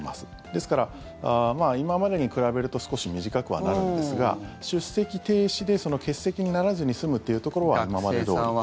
ですから、今までに比べると少し短くはなるんですが出席停止で欠席にならずに済むっていうところは今までどおり。